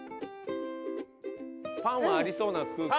パンはありそうな空気は。